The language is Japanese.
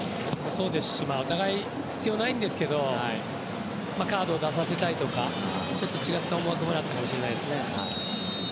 そうですし、お互い必要ないんですけどカードを出させたいとか違った思惑もあったかもしれません。